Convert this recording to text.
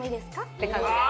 って感じで。